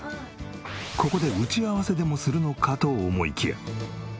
ここで打ち合わせでもするのかと思いきや。